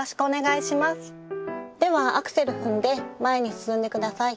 ではアクセル踏んで前に進んで下さい。